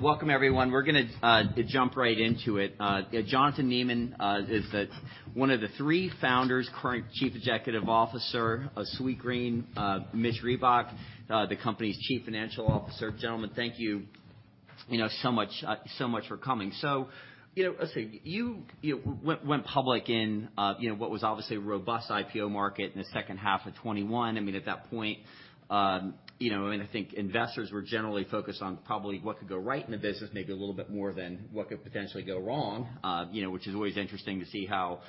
Welcome, everyone. We're gonna jump right into it. Jonathan Neman is one of the three founders, current Chief Executive Officer of Sweetgreen. Mitch Reback, the company's Chief Financial Officer. Gentlemen, thank you know, so much, so much for coming. You know, let's see. You know, went public in, you know, what was obviously a robust IPO market in the second half of 2021. I mean, at that point, you know, and I think investors were generally focused on probably what could go right in the business maybe a little bit more than what could potentially go wrong. You know, which is always interesting to see how,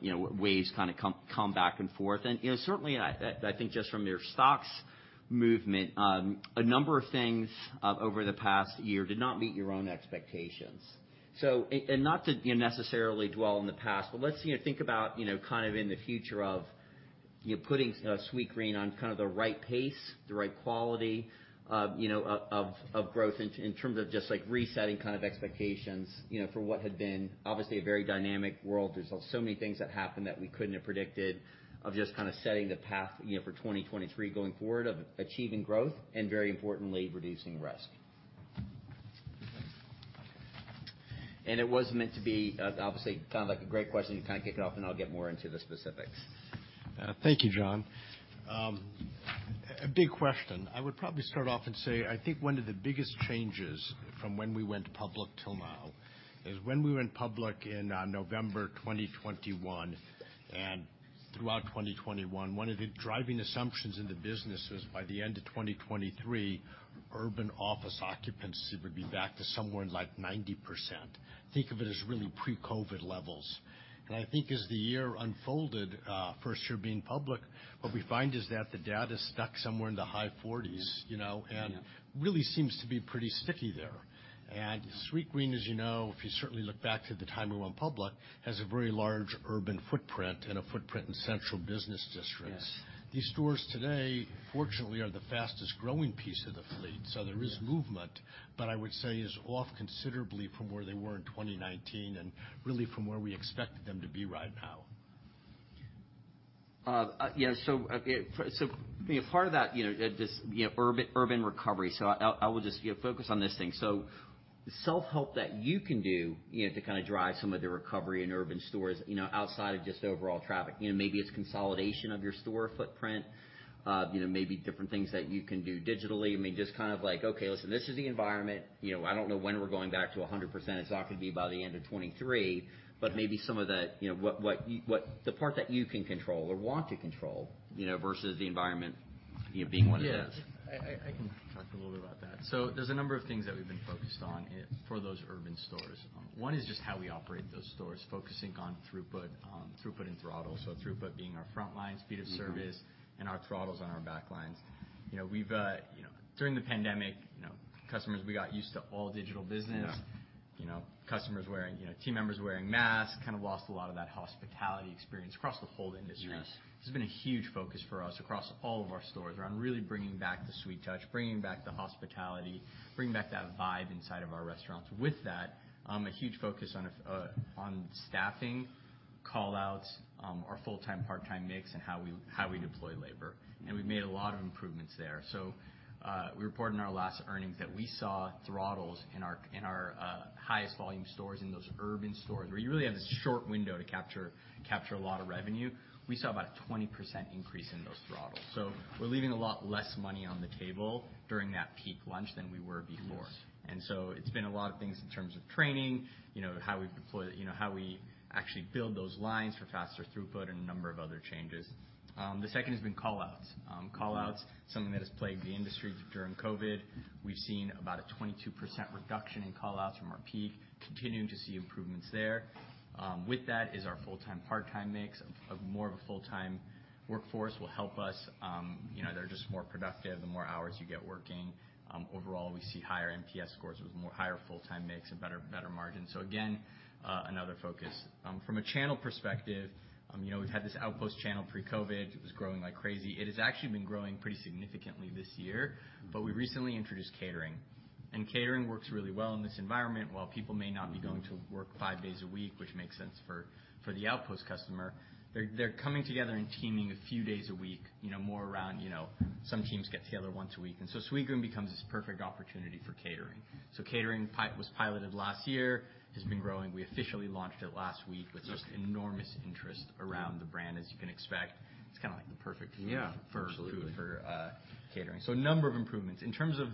you know, waves kinda come back and forth. You know, certainly I, I think just from your stocks' movement, a number of things over the past year did not meet your own expectations. Not to, you know, necessarily dwell on the past, but let's, you know, think about, you know, kind of in the future of, you know, putting Sweetgreen on kind of the right pace, the right quality, you know, of growth in terms of just, like, resetting kind of expectations, you know, for what had been obviously a very dynamic world. There's so many things that happened that we couldn't have predicted, of just kinda setting the path, you know, for 2023 going forward of achieving growth and, very importantly, reducing risk. It was meant to be, obviously kind of like a great question to kinda kick it off, and I'll get more into the specifics. Thank you, John. A big question. I would probably start off and say, I think one of the biggest changes from when we went public till now is when we went public in November 2021 and throughout 2021, one of the driving assumptions in the business was by the end of 2023, urban office occupancy would be back to somewhere like 90%. Think of it as really pre-COVID levels. I think as the year unfolded, first year being public, what we find is that the data is stuck somewhere in the high 40s, you know. Yeah. -and really seems to be pretty sticky there. Sweetgreen, as you know, if you certainly look back to the time we went public, has a very large urban footprint and a footprint in central business districts. Yes. These stores today, fortunately, are the fastest growing piece of the fleet. So, there is movement, but I would say is off considerably from where they were in 2019 and really from where we expected them to be right now. Yeah, being a part of that, this urban recovery. I will just focus on this thing. Self-help that you can do to kinda drive some of the recovery in urban stores outside of just overall traffic. Maybe it's consolidation of your store footprint. Maybe different things that you can do digitally. I mean, just kind of like, okay, listen, this is the environment. I don't know when we're going back to 100%. It's not gonna be by the end of 2023. Maybe some of that, what the part that you can control or want to control versus the environment being what it is. Yeah. I can talk a little bit about that. There's a number of things that we've been focused on for those urban stores. One is just how we operate those stores, focusing on throughput and throttle. Throughput being our front lines, speed of service, and our throttles on our back lines. You know, we've, you know, during the pandemic, you know, customers, we got used to all digital business. Yeah. You know, customers wearing, you know, team members wearing masks, kind of lost a lot of that hospitality experience across the whole industry. Yes. This has been a huge focus for us across all of our stores, around really bringing back the Sweet touch, bringing back the hospitality, bringing back that vibe inside of our restaurants. With that, a huge focus on staffing, call-outs, our full-time/part-time mix and how we deploy labor. We've made a lot of improvements there. We reported in our last earnings that we saw throttles in our highest volume stores, in those urban stores, where you really have this short window to capture a lot of revenue. We saw about a 20% increase in those throttles. We're leaving a lot less money on the table during that peak lunch than we were before. Yes. It's been a lot of things in terms of training, you know, how we deploy, you know, how we actually build those lines for faster throughput and a number of other changes. The second has been call-outs. Call-outs, something that has plagued the industry during COVID. We've seen about a 22% reduction in call-outs from our peak, continuing to see improvements there. With that is our full-time/part-time mix of more of a full-time workforce will help us. You know, they're just more productive the more hours you get working. Overall, we see higher NPS scores with more higher full-time mix and better margins. Again, another focus. From a channel perspective, you know, we've had this Outpost channel pre-COVID. It was growing like crazy. It has actually been growing pretty significantly this year. We recently introduced catering, and catering works really well in this environment. While people may not be going to work five days a week, which makes sense for the Outpost customer, they're coming together and teaming a few days a week, you know, more around, you know, some teams get together once a week. Sweetgreen becomes this perfect opportunity for catering. Catering was piloted last year. It has been growing. We officially launched it last week with just enormous interest around the brand, as you can expect. It's kinda like the perfect food. Yeah. Absolutely. for food for catering. A number of improvements. In terms of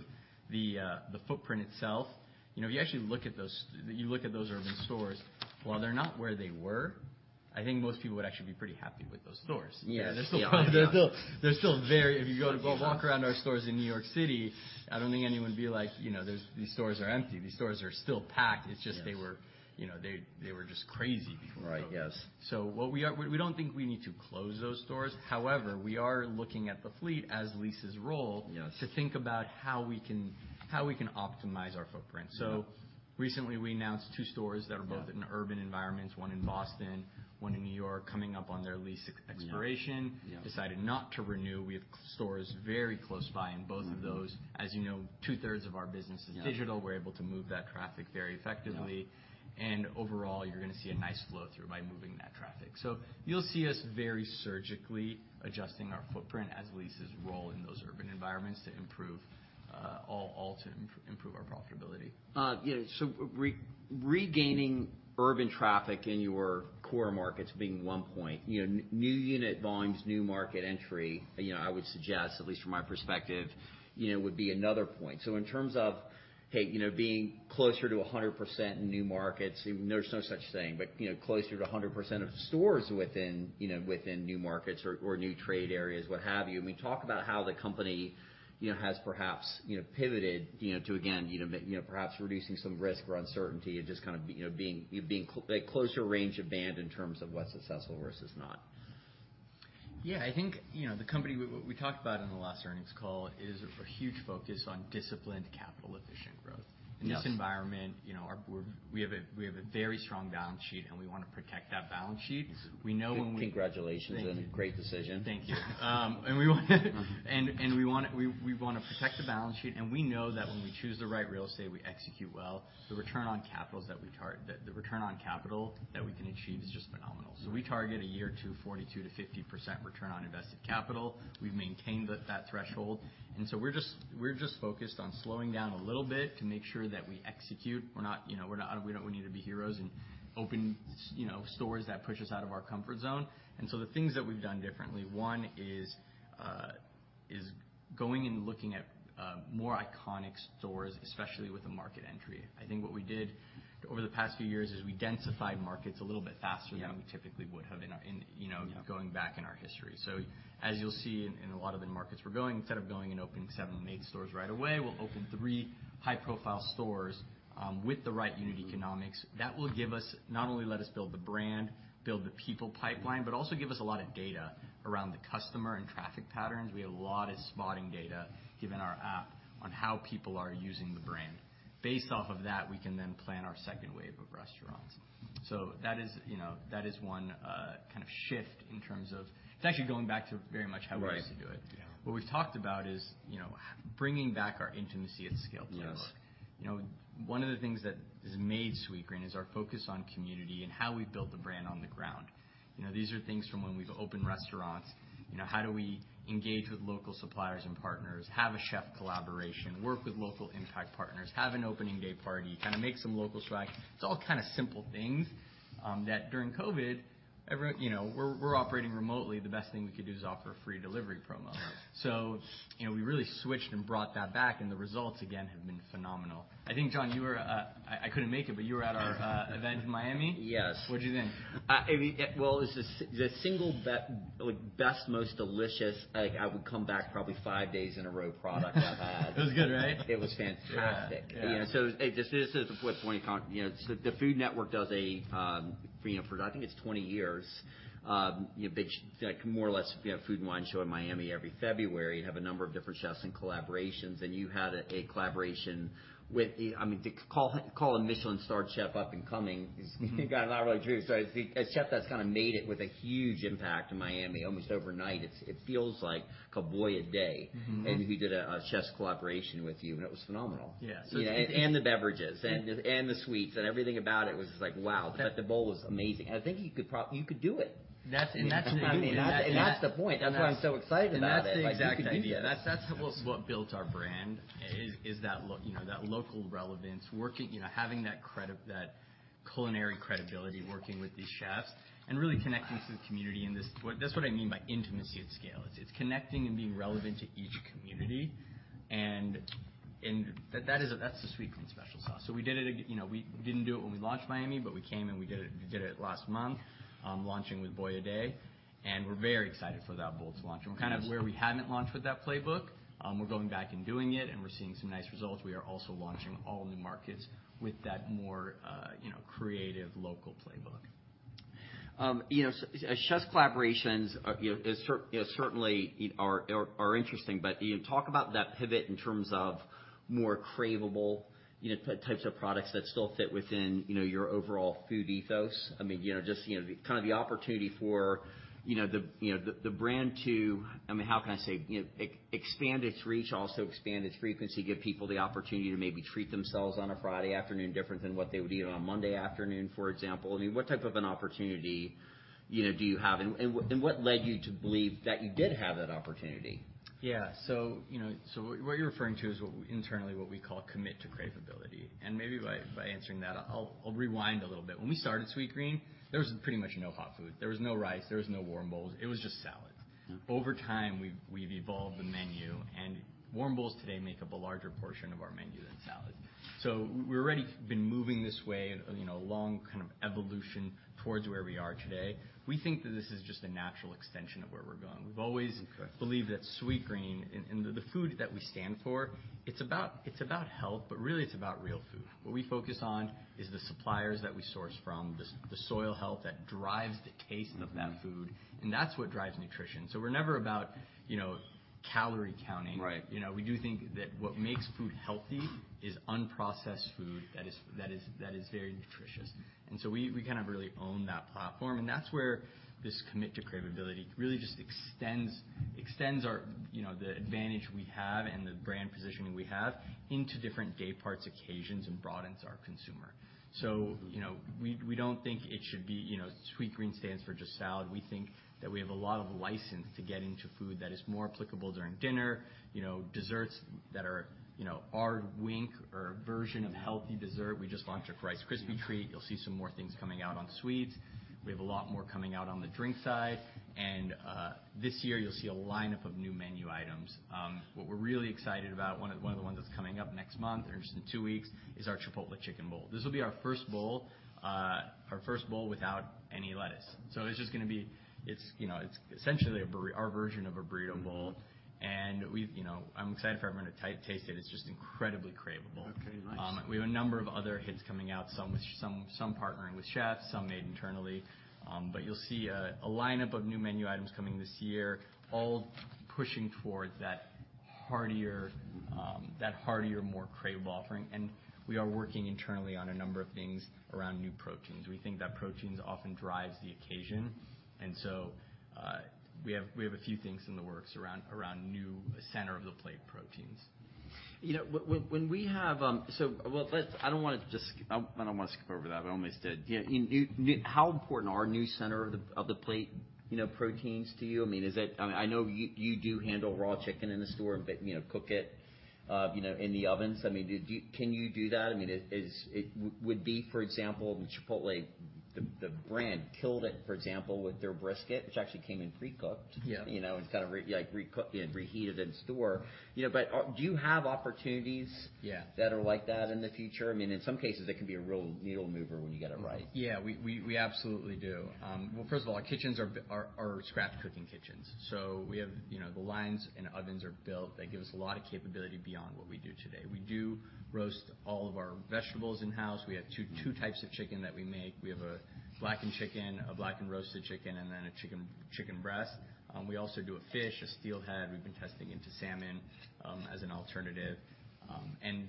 the footprint itself, you know, if you actually look at those, you look at those urban stores, while they're not where they were, I think most people would actually be pretty happy with those stores. Yes. They're still very. If you go walk around our stores in New York City, I don't think anyone would be like, you know, "These stores are empty." These stores are still packed. Yes. It's just they were, you know, they were just crazy. Right. Yes. We don't think we need to close those stores. However, we are looking at the fleet as leases roll-. Yes. to think about how we can optimize our footprint. Yeah. recently we announced 2 stores that are both-. Yeah. in urban environments, one in Boston, one in New York, coming up on their lease expiration. Yeah. Yeah. Decided not to renew. We have stores very close by in both of those. As you know, 2/3 of our business is digital. Yeah. We're able to move that traffic very effectively. Yeah. Overall, you're gonna see a nice flow through by moving that traffic. You'll see us very surgically adjusting our footprint as leases roll in those urban environments to improve, all to improve our profitability. Yeah, so regaining urban traffic in your core markets being one point. You know, new unit volumes, new market entry, you know, I would suggest, at least from my perspective, you know, would be another point. In terms of, hey, you know, being closer to 100% in new markets, there's no such thing, but, you know, closer to 100% of stores within, you know, within new markets or new trade areas, what have you. I mean, talk about how the company, you know, has perhaps, you know, pivoted, you know, to again, you know, perhaps reducing some risk or uncertainty and just kind of, you know, being a closer range of band in terms of what's successful versus not. Yeah, I think, you know, we talked about in the last earnings call is a huge focus on disciplined capital efficient growth. Yes. In this environment, you know, we have a very strong balance sheet, and we wanna protect that balance sheet. We know when we-. Congratulations. Thank you. Great decision. Thank you. We wanna protect the balance sheet. We know that when we choose the right real estate, we execute well, the return on capital that we can achieve is just phenomenal. We target a year 2 42%-50% Return on Invested Capital. We've maintained that threshold, we're just focused on slowing down a little bit to make sure that we execute. We're not, you know, We don't need to be heroes and open stores that push us out of our comfort zone. The things that we've done differently, one is going and looking at more iconic stores, especially with the market entry. I think what we did over the past few years is we densified markets a little bit faster- Yeah. -than we typically would have in our, you know, going back in our history. As you'll see in a lot of the markets we're going, instead of going and opening seven or eight stores right away, we'll open three high-profile stores with the right unit economics. That will give us, not only let us build the brand, build the people pipeline, but also give us a lot of data around the customer and traffic patterns. We have a lot of spotting data, given our app, on how people are using the brand. Based off of that, we can then plan our second wave of restaurants. That is, you know, that is one, kind of shift in terms of... It's actually going back to very much how we used to do it. Right. Yeah. What we've talked about is, you know, bringing back our intimacy at scale playbook. Yes. You know, one of the things that has made Sweetgreen is our focus on community and how we built the brand on the ground. You know, these are things from when we've opened restaurants. You know, how do we engage with local suppliers and partners, have a chef collaboration, work with local impact partners, have an opening day party, kind of make some local swag. It's all kind of simple things, that during COVID, you know, we're operating remotely. The best thing we could do is offer a free delivery promo. Right. you know, we really switched and brought that back, and the results, again, have been phenomenal. I think, John, you were. I couldn't make it, but you were at our event in Miami. Yes. What'd you think? I mean, well, it's the single best, most delicious like I would come back probably five days in a row product I've had. It was good, right? It was fantastic. Yeah. Yeah. This is what point. You know, the Food Network does a, you know, for, I think it's 20 years, like more or less, you have food and wine show in Miami every February and have a number of different chefs and collaborations, and you had a collaboration with the... I mean, to call a Michelin-starred chef up and coming is not really true. A chef that's kind of made it with a huge impact in Miami almost overnight, it feels like Boia De. He did a chef's collaboration with you, and it was phenomenal. Yeah. The beverages and the sweets and everything about it was like, wow. That bowl was amazing. I think you could do it. That's, and that's what I mean. That's the point. That's why I'm so excited about it. That's the exact idea. Like, you could do that. That's what built our brand is that you know, that local relevance, working, you know, having that culinary credibility working with these chefs and really connecting to the community. That's what I mean by intimacy at scale. It's connecting and being relevant to each community. That's the Sweetgreen special sauce. We did it, you know, we didn't do it when we launched Miami, but we came and we did it, we did it last month, launching withBoia De, and we're very excited for that bowl to launch. Kind of where we haven't launched with that playbook, we're going back and doing it, and we're seeing some nice results. We are also launching all new markets with that more, you know, creative local playbook. You know, chef's collaborations are, you know, certainly are interesting. You know, talk about that pivot in terms of more craveable, you know, types of products that still fit within, you know, your overall food ethos. I mean, you know, just, you know, kind of the opportunity for, you know, the brand to. I mean, how can I say? You know, expand its reach, also expand its frequency, give people the opportunity to maybe treat themselves on a Friday afternoon different than what they would eat on a Monday afternoon, for example. I mean, what type of an opportunity, you know, do you have and what, and what led you to believe that you did have that opportunity? Yeah. You know, so what you're referring to is what internally we call commit to cravability. Maybe by answering that, I'll rewind a little bit. When we started Sweetgreen, there was pretty much no hot food. There was no rice. There was no warm bowls. It was just salad. Over time, we've evolved the menu, and warm bowls today make up a larger portion of our menu than salad. We're already been moving this way, you know, a long kind of evolution towards where we are today. We think that this is just a natural extension of where we're going. We've always believed that Sweetgreen and the food that we stand for, it's about, it's about health, but really it's about real food. What we focus on is the suppliers that we source from, the soil health that drives the taste of that food, and that's what drives nutrition. We're never about, you know, calorie counting. Right. You know, we do think that what makes food healthy is unprocessed food that is very nutritious. We, we kind of really own that platform. That's where this commit to cravability really just extends our, you know, the advantage we have and the brand positioning we have into different day parts, occasions, and broadens our consumer. You know, we don't think it should be, you know, Sweetgreen stands for just salad. We think that we have a lot of license to get into food that is more applicable during dinner. You know, desserts that are, you know, our wink or version of healthy dessert. We just launched a crispy rice treat. You'll see some more things coming out on sweets. We have a lot more coming out on the drink side. This year you'll see a lineup of new menu items. What we're really excited about, one of the ones that's coming up next month or just in two weeks, is our Chipotle chicken bowl. This will be our first bowl, our first bowl without any lettuce. It's, you know, it's essentially our version of a burrito bowl. We've, you know, I'm excited for everyone to taste it. It's just incredibly craveable. Okay. Nice. We have a number of other hits coming out, some with, some partnering with chefs, some made internally. You'll see, a lineup of new menu items coming this year, all pushing towards that heartier, more craveable offering. We are working internally on a number of things around new proteins. We think that proteins often drives the occasion. We have a few things in the works around new center of the plate proteins. You know, I don't wanna just skip over that. I almost did. Yeah. How important are new center of the plate, you know, proteins to you? I mean, is it? I know you do handle raw chicken in the store but, you know, cook it, you know, in the ovens. I mean, do you? Can you do that? I mean, it would be for example, Chipotle, the brand killed it, for example, with their brisket, which actually came in pre-cooked. Yeah. You know, kind of like recooked and reheated in store. You know, do you have opportunities- Yeah... that are like that in the future? I mean, in some cases, that can be a real needle mover when you get it right. Yeah. We absolutely do. Well, first of all, our kitchens are scratch cooking kitchens. We have, you know, the lines and ovens are built that give us a lot of capability beyond what we do today. We do roast all of our vegetables in-house. We have 2 types of chicken that we make. We have a blackened chicken, a blackened roasted chicken, and then a chicken breast. We also do a fish, a Steelhead. We've been testing into salmon as an alternative.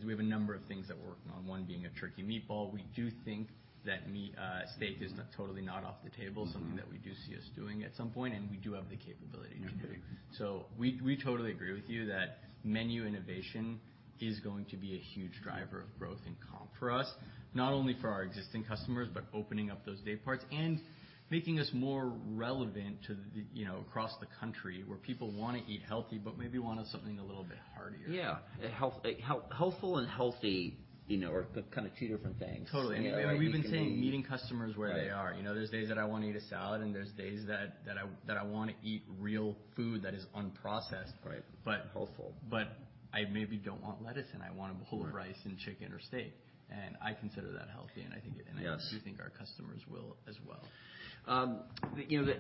We have a number of things that we're working on, one being a turkey meatball. We do think that meat steak is not, totally not off the table, something that we do see us doing at some point, and we do have the capability today. We totally agree with you that menu innovation is going to be a huge driver of growth in comp for us, not only for our existing customers, but opening up those day parts and making us more relevant to the, you know, across the country where people wanna eat healthy but maybe wanted something a little bit heartier. Yeah. Helpful and healthy, you know, are kind of two different things. Totally. You know, I mean, you can. We've been saying meeting customers where they are. Right. You know, there's days that I wanna eat a salad, and there's days that I wanna eat real food that is unprocessed. Right. But- Helpful... but I maybe don't want lettuce, and I want a bowl- Right of rice and chicken or steak. I consider that healthy. Yes I do think our customers will as well. You know,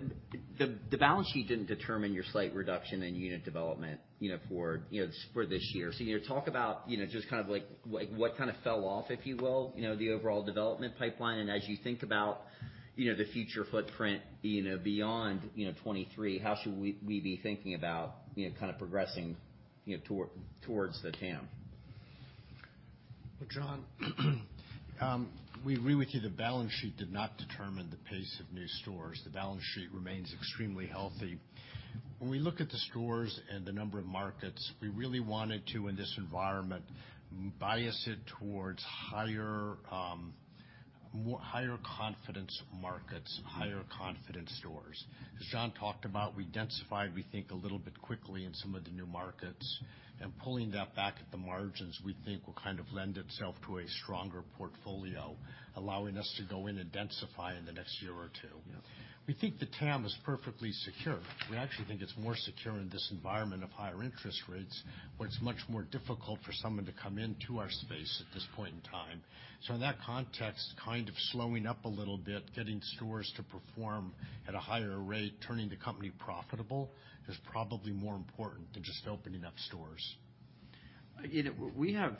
the, the balance sheet didn't determine your slight reduction in unit development, you know, for, you know, for this year. You know, talk about, you know, just kind of like what kind of fell off, if you will, you know, the overall development pipeline. As you think about, you know, the future footprint, you know, beyond, you know, 2023, how should we be thinking about, you know, kind of progressing, you know, towards the TAM? Well, John, we agree with you. The balance sheet did not determine the pace of new stores. The balance sheet remains extremely healthy. When we look at the stores and the number of markets, we really wanted to, in this environment, bias it towards higher, more, higher confidence markets, higher confidence stores. As John talked about, we densified, we think, a little bit quickly in some of the new markets. Pulling that back at the margins, we think, will kind of lend itself to a stronger portfolio, allowing us to go in and densify in the next year or 2. Yeah. We think the TAM is perfectly secure. We actually think it's more secure in this environment of higher interest rates, where it's much more difficult for someone to come into our space at this point in time. In that context, kind of slowing up a little bit, getting stores to perform at a higher rate, turning the company profitable is probably more important than just opening up stores. You know, we have,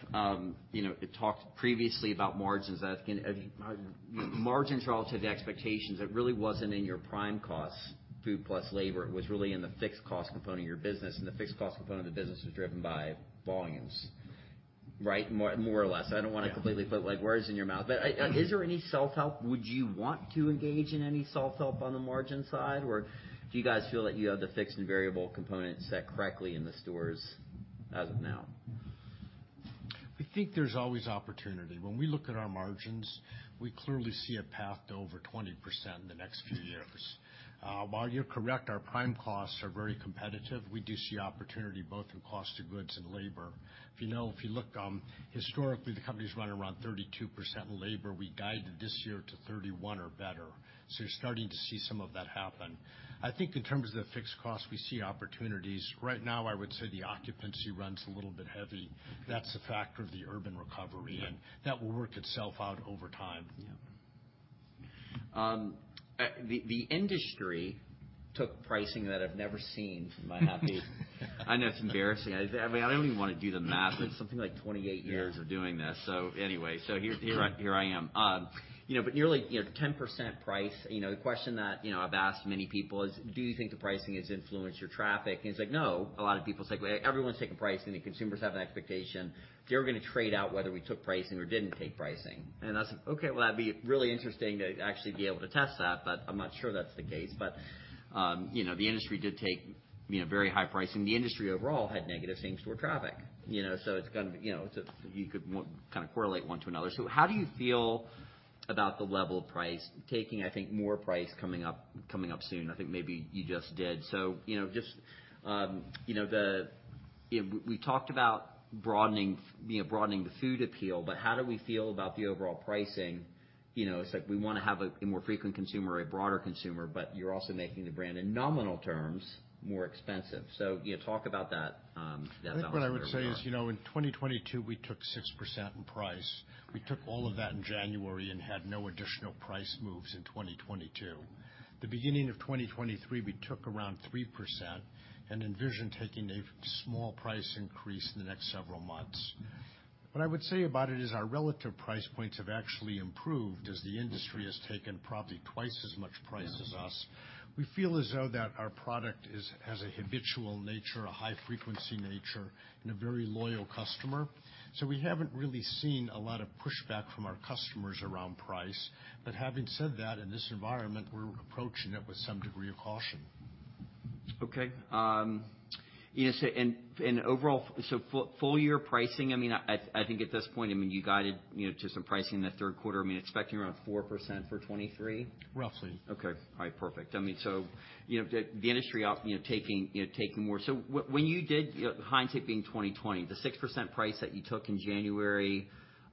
you know, talked previously about margins. I think, margins relative to expectations, it really wasn't in your prime costs, food plus labor. It was really in the fixed cost component of your business. The fixed cost component of the business was driven by volumes, right? More or less. Yeah... I don't want to completely put like words in your mouth. Is there any self-help? Would you want to engage in any self-help on the margin side, or do you guys feel that you have the fixed and variable components set correctly in the stores as of now? We think there's always opportunity. When we look at our margins, we clearly see a path to over 20% in the next few years. While you're correct, our prime costs are very competitive, we do see opportunity both in cost of goods and labor. If you know, if you look historically, the company's run around 32% labor. We guided this year to 31% or better. You're starting to see some of that happen. I think in terms of the fixed cost, we see opportunities. Right now, I would say the occupancy runs a little bit heavy. That's a factor of the urban recovery. Yeah. That will work itself out over time. Yeah. The industry took pricing that I've never seen in my happy. I know it's embarrassing. I mean, I don't even wanna do the math. It's something like 28 years doing this. Anyway, so here I am. you know, but nearly, you know, 10% price. You know, the question that, you know, I've asked many people is: Do you think the pricing has influenced your traffic? It's like, "No." A lot of people say, "Well, everyone's taking pricing. The consumers have an expectation. They were gonna trade out whether we took pricing or didn't take pricing." I said, "Okay, well, that'd be really interesting to actually be able to test that, but I'm not sure that's the case." you know, the industry did take, you know, very high pricing. The industry overall had negative same-store traffic. You know, it's gonna be, you know, kinda correlate one to another. How do you feel about the level of price taking, I think, more price coming up soon? I think maybe you just did. You know, just, you know, the... You know, we talked about broadening you know, broadening the food appeal, but how do we feel about the overall pricing? You know, it's like we wanna have a more frequent consumer, a broader consumer, but you're also making the brand in nominal terms, more expensive. You know, talk about that balance there more. I think what I would say is, you know, in 2022, we took 6% in price. We took all of that in January and had no additional price moves in 2022. The beginning of 2023, we took around 3% and envision taking a small price increase in the next several months. What I would say about it is our relative price points have actually improved as the industry has taken probably twice as much price as us. We feel as though that our product has a habitual nature, a high-frequency nature, and a very loyal customer. We haven't really seen a lot of pushback from our customers around price. Having said that, in this environment, we're approaching it with some degree of caution. Okay. You know, overall, full year pricing, I mean, at, I think at this point, I mean, you guided, you know, to some pricing in the third quarter. I mean, expecting around 4% for 2023? Roughly. Okay. All right. Perfect. I mean, you know, the industry you know, taking, you know, taking more. When you did, you know, hindsight being 20/20, the 6% price that you took in January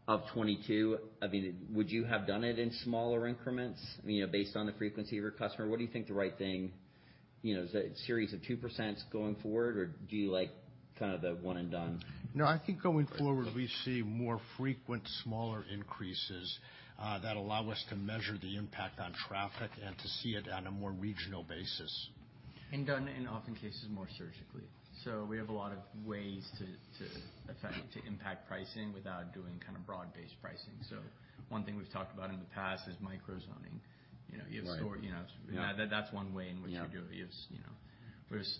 of 2022, I mean, would you have done it in smaller increments? You know, based on the frequency of your customer, what do you think the right thing, you know, is a series of 2% going forward, or do you like kind of the one and done? No, I think going forward. Great we see more frequent, smaller increases, that allow us to measure the impact on traffic and to see it on a more regional basis. Done in often cases, more surgically. We have a lot of ways to impact pricing without doing kinda broad-based pricing. One thing we've talked about in the past is micro-zoning. You know, you have. Right. You know- Yeah... that's one way in which you do it. Yeah. You have, you know. There's,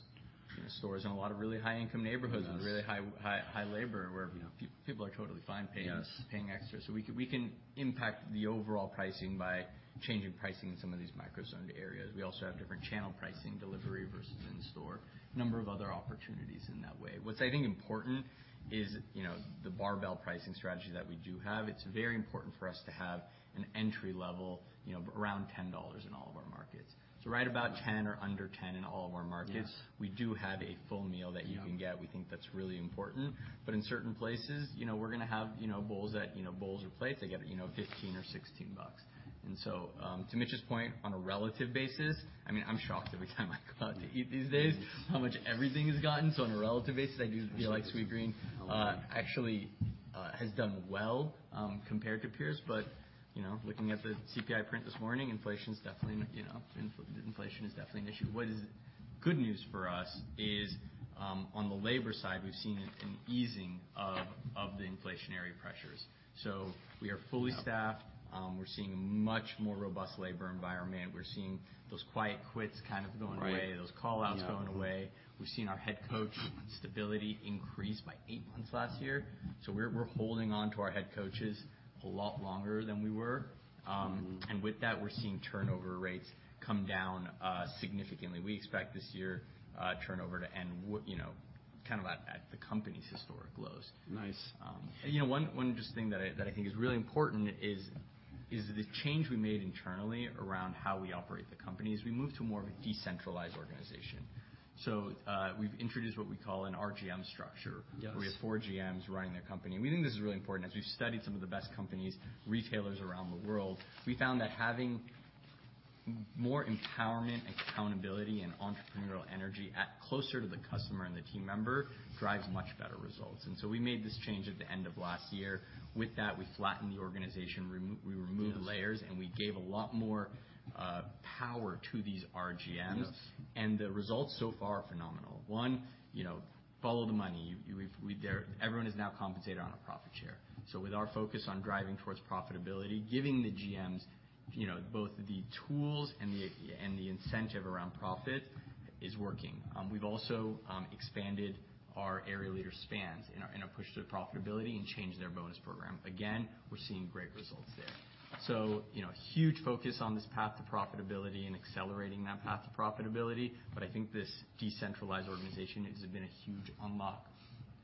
you know, stores in a lot of really high-income neighborhoods. Yes... with really high labor where, you know, people are totally fine paying. Yes... paying extra. We can impact the overall pricing by changing pricing in some of these micro-zoned areas. We also have different channel pricing, delivery versus in-store, number of other opportunities in that way. What's I think important is, you know, the barbell pricing strategy that we do have. It's very important for us to have an entry level, you know, around $10 in all of our markets. Right about 10 or under 10 in all of our markets. Yeah. We do have a full meal that you can get. Yeah. We think that's really important. In certain places, you know, we're gonna have, you know, bowls that, you know, bowls or plates that get, you know, $15 or $16. To Mitch's point, on a relative basis, I mean, I'm shocked every time I go out to eat these days how much everything has gotten. On a relative basis, I do feel like Sweetgreen, actually, has done well, compared to peers, but, you know, looking at the CPI print this morning, inflation's definitely, you know, inflation is definitely an issue. What is good news for us is, on the labor side, we've seen an easing of the inflationary pressures. We are fully staffed. Yeah. We're seeing a much more robust labor environment. We're seeing those quiet quitting kind of going away. Right. Those call-outs going away. Yeah. We've seen our head coach stability increase by eight months last year. We're holding on to our head coaches a lot longer than we were. And with that, we're seeing turnover rates come down significantly. We expect this year, turnover to end you know, kind of at the company's historic lows. Nice. You know, one just thing that I think is really important is the change we made internally around how we operate the company, is we moved to more of a decentralized organization. We've introduced what we call an RGM structure. Yes. Where we have four GMs running the company. We think this is really important. As we've studied some of the best companies, retailers around the world, we found that having more empowerment, accountability, and entrepreneurial energy at closer to the customer and the team member drives much better results. We made this change at the end of last year. With that, we flattened the organization, we removed layers, and we gave a lot more power to these RGMs. Yes. The results so far are phenomenal. One, you know, follow the money. Everyone is now compensated on a profit sharing. With our focus on driving towards profitability, giving the GMs, you know, both the tools and the incentive around profit is working. We've also expanded our area leader spans in our push to profitability and changed their bonus program. Again, we're seeing great results there. You know, huge focus on this path to profitability and accelerating that path to profitability. I think this decentralized organization has been a huge unlock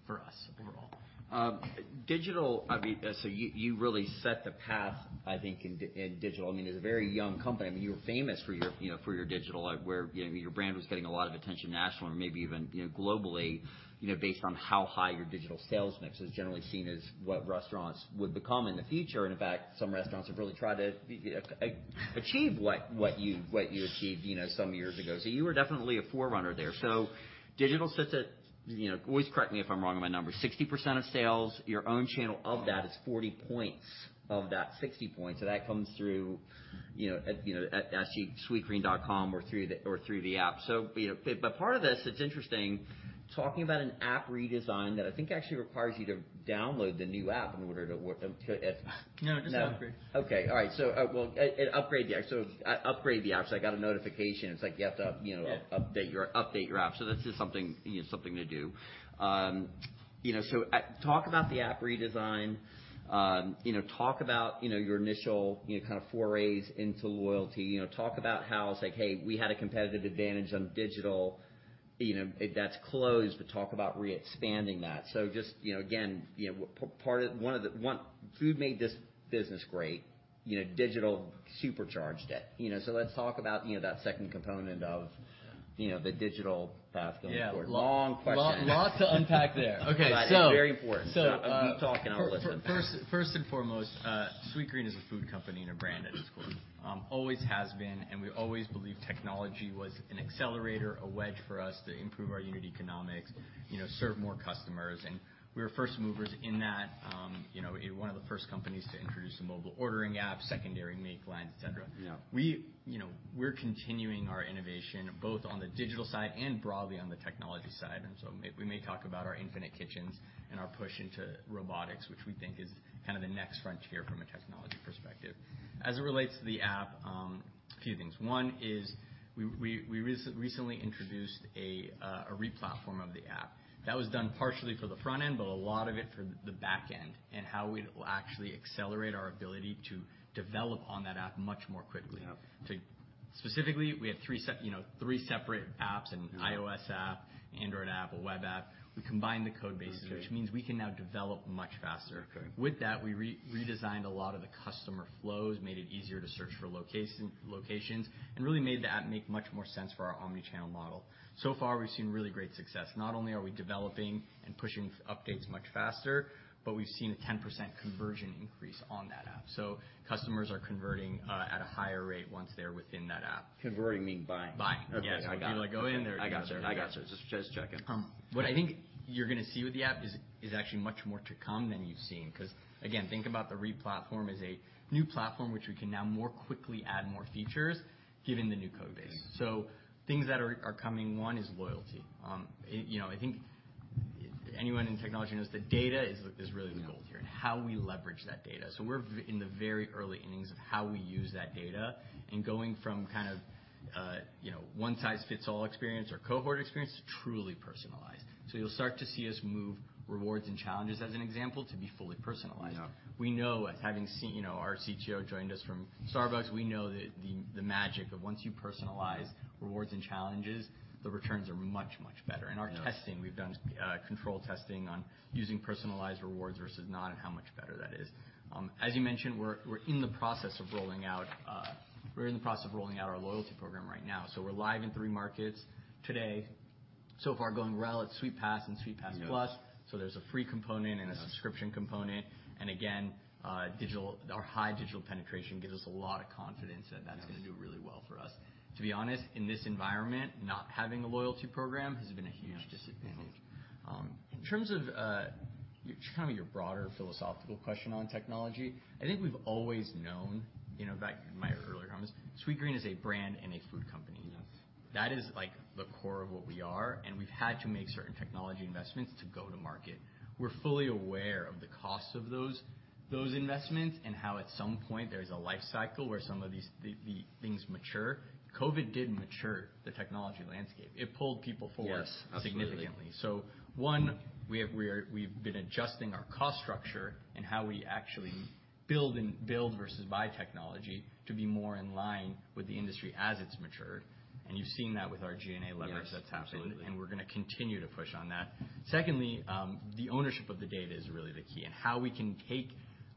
for us overall. digital, I mean, so you really set the path, I think, in digital. I mean, as a very young company, I mean, you were famous for your, you know, for your digital, where, you know, your brand was getting a lot of attention nationally or maybe even, you know, globally, you know, based on how high your digital sales mix is generally seen as what restaurants would become in the future. In fact, some restaurants have really tried to, you know, achieve what you achieved, you know, some years ago. You were definitely a forerunner there. Yes. Digital sits at, you know, always correct me if I'm wrong in my numbers, 60% of sales. Your own channel of that is 40 points of that 60 points. That comes through, you know, at, you know, at, as you sweetgreen.com or through the, or through the app. You know, part of this, it's interesting. Talking about an app redesign that I think actually requires you to download the new app in order to work. No, just upgrade. Okay. All right. Upgrade the app, so I got a notification. It's like you have to. Yeah... you know, update your, update your app. That's just something, you know, something to do. you know, so, talk about the app redesign. you know, talk about, you know, your initial, you know, kind of forays into loyalty. You know, talk about how it's like, "Hey, we had a competitive advantage on digital." You know, if that's closed, but talk about re-expanding that. Just, you know, again, you know, part of... One of the... Food made this business great. You know, digital supercharged it, you know. Let's talk about, you know, that second component of, you know, the digital path going forward. Yeah. Long question. lot to unpack there. Okay, It's very important. So, uh- You talk and I'll listen. first and foremost, Sweetgreen is a food company and a brand at its core. Always has been, and we always believe technology was an accelerator, a wedge for us to improve our unit economics, you know, serve more customers. We were first movers in that. You know, one of the first companies to introduce a mobile ordering app, secondary make lines, et cetera. Yeah. We, you know, we're continuing our innovation both on the digital side and broadly on the technology side, we may talk about our Infinite Kitchens and our push into robotics, which we think is kind of the next frontier from a technology perspective. As it relates to the app, a few things. One is we recently introduced a replatform of the app. That was done partially for the front end, but a lot of it for the back end and how it will actually accelerate our ability to develop on that app much more quickly. Yeah. Specifically, we have three separate apps. Yeah an iOS app, Android app, a web app. We combined the code bases. Okay... which means we can now develop much faster. Okay. With that, we redesigned a lot of the customer flows, made it easier to search for locations, and really made the app make much more sense for our omni-channel model. So far, we've seen really great success. Not only are we developing and pushing updates much faster, but we've seen a 10% conversion increase on that app. Customers are converting at a higher rate once they're within that app. Converting mean buying. Buying. Okay. I got you. Yes. People are going in there. I gotcha. Just checking. What I think you're gonna see with the app is actually much more to come than you've seen. Again, think about the replatform as a new platform, which we can now more quickly add more features given the new code base. Yeah. Things that are coming, one, is loyalty. you know, I think anyone in technology knows that data is really the gold here. Yeah. How we leverage that data. We're in the very early innings of how we use that data and going from kind of, you know, one-size-fits-all experience or cohort experience to truly personalized. You'll start to see us move rewards and challenges, as an example, to be fully personalized. Yeah. We know, You know, our CTO joined us from Starbucks. We know that the magic of once you personalize rewards and challenges, the returns are much, much better. Yeah. In our testing, we've done control testing on using personalized rewards versus not and how much better that is. As you mentioned, we're in the process of rolling out our loyalty program right now. We're live in three markets today. Far going well. It's Sweetpass and Sweetpass+. Yeah. There's a free component. Yeah... and a subscription component. Again, Our high digital penetration gives us a lot of confidence. That's gonna do really well for us. To be honest, in this environment, not having a loyalty program has been a huge disadvantage. Yeah. Huge. In terms of, kind of your broader philosophical question on technology, I think we've always known, you know, back to my earlier comments, Sweetgreen is a brand and a food company. Yes. That is, like, the core of what we are. We've had to make certain technology investments to go to market. We're fully aware of the cost of those investments and how at some point there's a life cycle where some of these things mature. COVID did mature the technology landscape. It pulled people forward. Yes. Absolutely.... significantly. One, we've been adjusting our cost structure and how we actually build versus buy technology to be more in line with the industry as it's matured, and you've seen that with our G&A leverage that's happening. Yes. Absolutely. We're gonna continue to push on that. Secondly, the ownership of the data is really the key and how we can take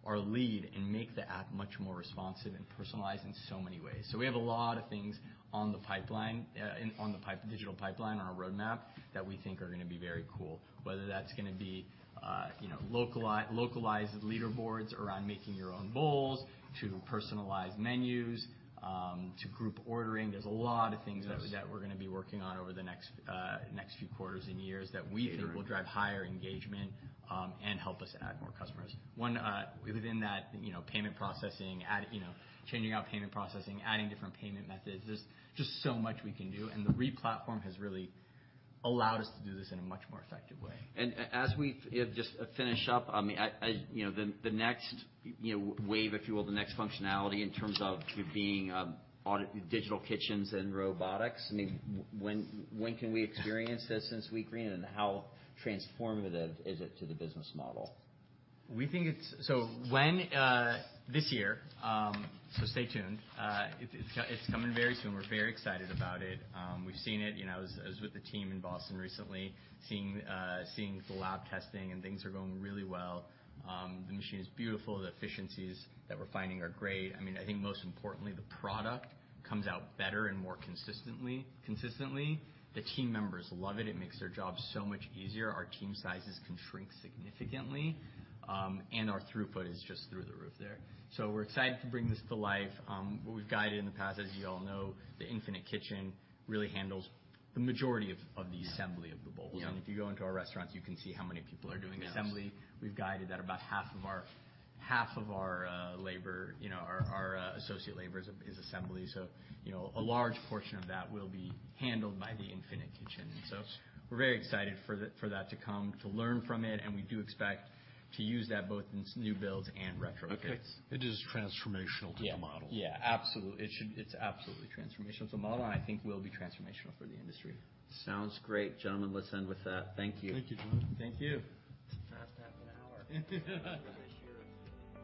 our lead and make the app much more responsive and personalized in so many ways. We have a lot of things on the pipeline, digital pipeline, on our roadmap that we think are gonna be very cool, whether that's gonna be, you know, localized leaderboards around making your own bowls to personalized menus, to group ordering. There's a lot of things. Yes... that we're gonna be working on over the next few quarters and years that we think would drive higher engagement, and help us add more customers. One, within that, you know, payment processing, add, you know, changing out payment processing, adding different payment methods. There's just so much we can do, and the replatform has really allowed us to do this in a much more effective way. As we, you know, just finish up, I mean, I You know, the next, you know, wave, if you will, the next functionality in terms of you being on digital kitchens and robotics, I mean, when can we experience this in Sweetgreen, and how transformative is it to the business model? This year, stay tuned. It's coming very soon. We're very excited about it. We've seen it. You know, I was with the team in Boston recently, seeing the lab testing, things are going really well. The machine is beautiful. The efficiencies that we're finding are great. I mean, I think most importantly, the product comes out better and more consistently. The team members love it. It makes their job so much easier. Our team sizes can shrink significantly. Our throughput is just through the roof there. We're excited to bring this to life. What we've guided in the past, as you all know, the Infinite Kitchen really handles the majority of the assembly of the bowls. Yeah. If you go into our restaurants, you can see how many people are doing assembly. Yes. We've guided that about half of our labor, you know, our associate labor is assembly. You know, a large portion of that will be handled by the Infinite Kitchen. We're very excited for that, for that to come, to learn from it, and we do expect to use that both in new builds and retrofits. Okay. It is transformational to the model. Yeah. Yeah. Absolutely. It's absolutely transformational to the model, and I think will be transformational for the industry. Sounds great. Gentlemen, let's end with that. Thank you. Thank you, John. Thank you. It's a fast half an hour.